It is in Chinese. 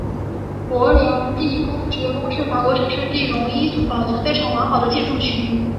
勃艮第公爵宫是法国城市第戎一组保存非常完好的建筑群。